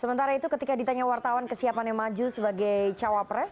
sementara itu ketika ditanya wartawan kesiapannya maju sebagai cawapres